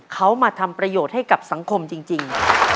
เขามาทำประโยชน์ให้กับสังคมจริง